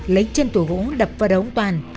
lấy chân thủ gỗ đập vào đầu ông toàn